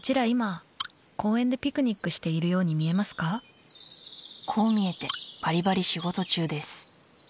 今、公園でピクニックしているようにこう見えてバリバリ仕事中です。